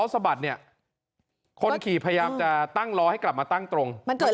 สะบัดเนี่ยคนขี่พยายามจะตั้งล้อให้กลับมาตั้งตรง